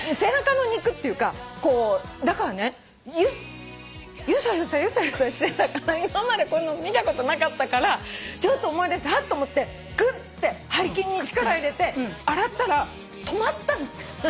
だからねゆさゆさゆさゆさしてたから今までこういうの見たことなかったからちょっと思い出してハッと思ってぐって背筋に力入れて洗ったら止まったのね。